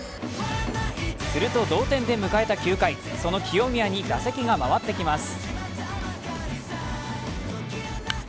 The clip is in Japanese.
すると同点で迎えた９回、その清宮に打席が回ってきます。